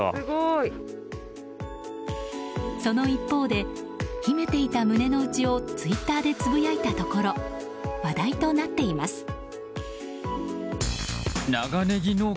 その一方で秘めていた胸の内をツイッターでつぶやいたところ話題となっています。